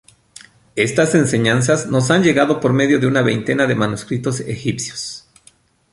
Estas enseñanzas nos han llegado por medio de una veintena de manuscritos egipcios.